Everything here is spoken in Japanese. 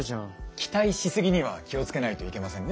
期待し過ぎには気を付けないといけませんね。